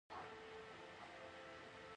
هغه هغې ته د خوښ محبت ګلان ډالۍ هم کړل.